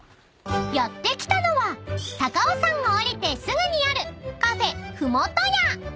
［やって来たのは高尾山を下りてすぐにあるカフェ］